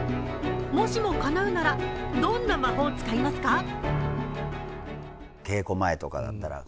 もしもかなうならどんな魔法を使いますか。